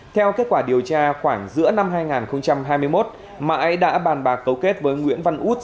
theo kết quả điều tra khoảng giữa năm hai nghìn hai mươi một mãi đã bàn bạc cấu kết với nguyễn văn út